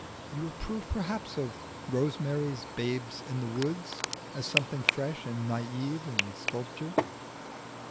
"You approve, perhaps, of Rosemary's 'Babes in the Wood,' as something fresh and naïve in sculpture?"